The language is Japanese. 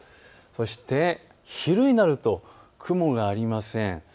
そして昼になると雲がありません。